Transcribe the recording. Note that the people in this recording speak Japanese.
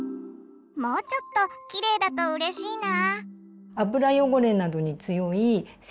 もうちょっとキレイだとうれしいな。